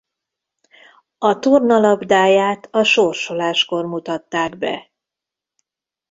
A torna labdáját a sorsoláskor mutatták be.